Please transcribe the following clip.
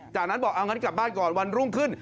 จากนั้นเราก็กลับบ้านก่อนวันรุ่นขึ้น